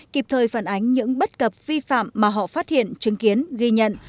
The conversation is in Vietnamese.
kịp thời phản ánh những bất cập vi phạm mà họ phát hiện chứng kiến ghi nhận